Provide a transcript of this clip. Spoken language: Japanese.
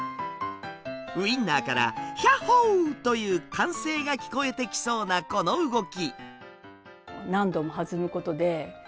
ウインナーから「ひゃっほー」という歓声が聞こえてきそうなこの動き。